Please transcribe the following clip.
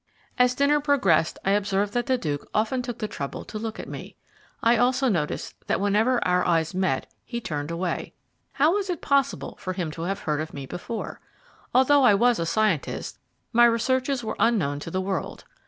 As dinner progressed I observed that the Duke often took the trouble to look at me. I also noticed that whenever our eyes met he turned away. How was it possible for him to have heard of me before? Although I was a scientist, my researches were unknown to the world.